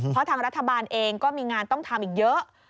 เพราะทางรัฐบาลเองก็มีงานต้องทำอีกเยอะ